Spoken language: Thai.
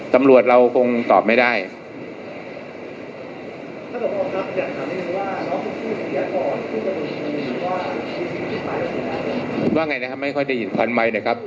ตำรวจเราคงตอบไม่ได้